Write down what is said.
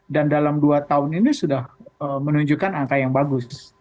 dan dalam dua tahun ini sudah menunjukkan angka yang bagus